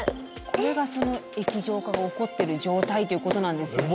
これが液状化が起こってる状態ということなんです。